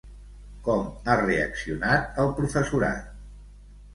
Com ha reaccionat el professorat?